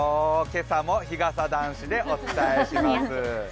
今朝も日傘男子でお伝えします。